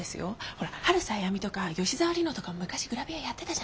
ほら春瀬あやみとか吉沢莉乃とか昔グラビアやってたじゃないですか。